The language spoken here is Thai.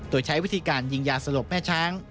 โดยใช้วิธีการยิงยาสลบแม่ช้าง